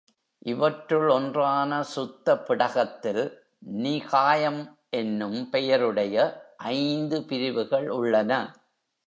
இவற்றுள் ஒன்றான சுத்த பிடகத்தில், நிகாயம் என்னும் பெயர் உடைய ஐந்து பிரிவுகள் உள்ளன.